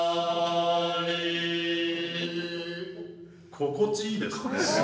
心地いいですね。